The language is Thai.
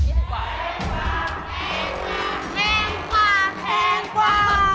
แพงกว่าแพงกว่า